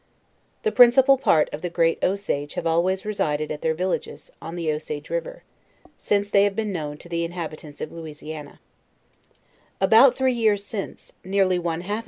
The principal part of the Great Osage have always resided tt their villages, on the Osage river, since they have been known to the inhabi tants of Louisiana; About three years since, nearly one LEWIS AND CLARKE.